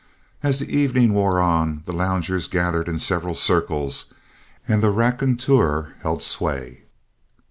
As the evening wore on, the loungers gathered in several circles, and the raconteur held sway.